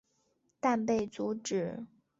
但被阻止。